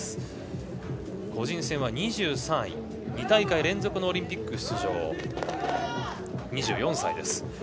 ２大会連続のオリンピック出場２４歳です。